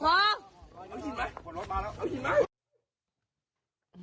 ลิกพอลิกพอ